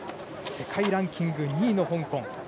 世界ランキング２位の香港。